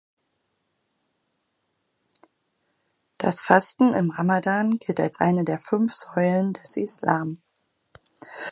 Das Fasten im Ramadan gilt als eine der Fünf Säulen des Islam.